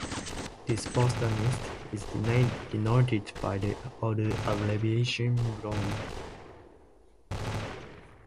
This botanist is denoted by the author abbreviation Brongn.